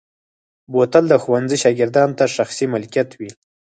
بوتل د ښوونځي شاګردانو ته شخصي ملکیت وي.